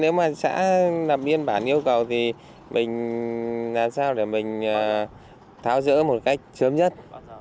nếu mà sẽ làm biên bản yêu cầu thì mình làm sao để mình tháo dỡ một cách sớm nhất